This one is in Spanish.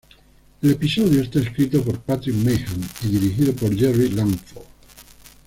El episodio está escrito por Patrick Meighan y dirigido por Jerry Langford.